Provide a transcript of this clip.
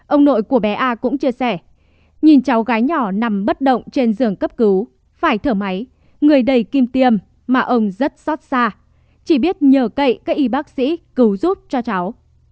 ông nội của bé a cũng chia sẻ nhìn cháu gái nhỏ nằm bất động trên giường cấp cứu phải thở máy người đầy kim tiêm mà ông rất xót xa chỉ biết nhờ cậy các y bác sĩ cứu giúp cho cháu